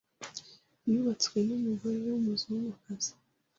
yubatswe n’umugore w’umuzungukazi